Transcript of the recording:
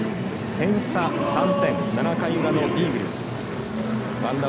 点差３点、７回裏のイーグルス。